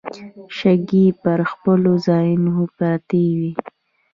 شګې پر خپلو ځايونو پرتې وې.